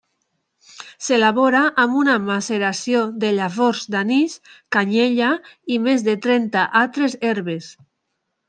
S'elabora amb una maceració de llavors d'anís, canyella i més de trenta altres herbes.